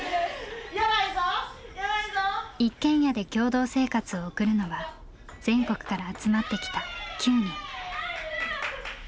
一軒家で共同生活を送るのは全国から集まってきた９人。